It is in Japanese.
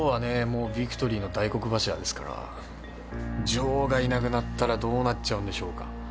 もうビクトリーの大黒柱ですから城がいなくなったらどうなっちゃうんでしょうか